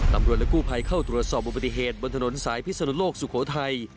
ตำรวจและกู้ภัยเข้าตรวจสอบอุบัติเหตุบนถนนสายพิศนุโลกสุโขทัย